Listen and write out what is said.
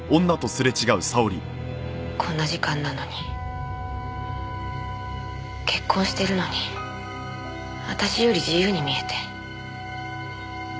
こんな時間なのに結婚してるのに私より自由に見えて。